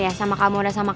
iya kak aku tau kok